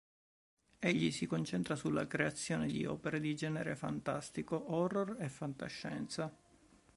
Egli si concentra sulla creazione di opere di genere fantastico, horror e fantascienza.